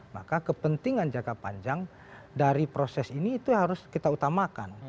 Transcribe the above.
maka kepentingan jangka panjang dari proses ini itu harus kita utamakan